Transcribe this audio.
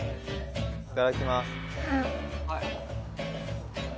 いただきます